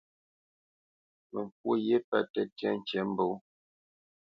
Mə kwǒ ghye pə̂ tə́tyá ŋkǐmbǒ.